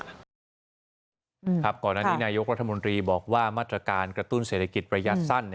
ก่อนหน้านี้นายกรัฐมนตรีบอกว่ามาตรการกระตุ้นเศรษฐกิจระยะสั้น